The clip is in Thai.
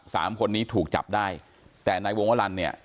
สามคนนี้ถูกจับได้แต่นายวงวลันเนี่ย